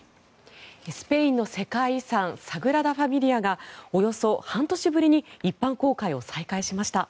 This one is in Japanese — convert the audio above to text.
スペインの世界遺産サグラダ・ファミリアがおよそ半年ぶりに一般公開を再開しました。